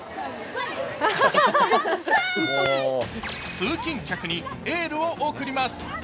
通勤客にエールを送ります。